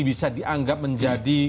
bisa dianggap menjadi